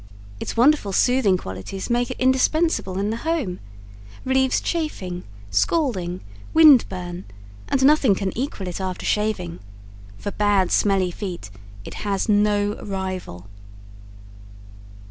Its wonderful soothing qualities makes it indispensable in the home. Relieves chafing, scalding, sunburn, windburn and nothing can equal it after shaving. For bad smelly feet it has no rival.